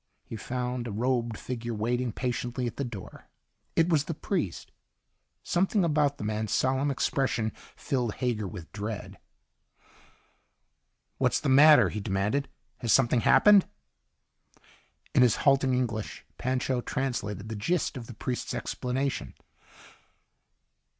He found a robed figure waiting patiently at the door. It was the priest. Something about the man's solemn expression filled Hager with dread. "What's the matter?" he demanded. "Has something happened?" In his halting English, Pancho translated the gist of the priest's explanation.